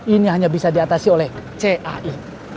ini hanya bisa di atasi oleh cai